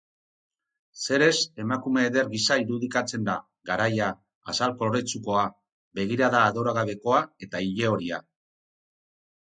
Zeres emakume eder gisa irudikatzen da, garaia, azal koloretsukoa, begirada adoregabekoa eta ilehoria.